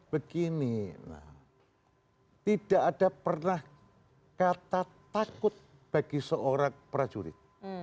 begini tidak ada pernah kata takut bagi seorang prajurit